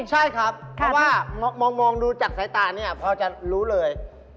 ใช่ครับเพราะว่ามองดูจากสายตาเนี่ยพอจะรู้เลย